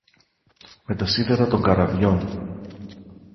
Με τα σίδερα των καραβιών.